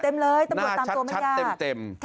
เต็มเลยตำรวจตามตัวไม่ยากหน้าชัดเต็ม